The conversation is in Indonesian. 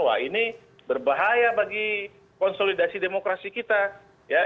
wah ini berbahaya bagi konsolidasi demokrasi kita ya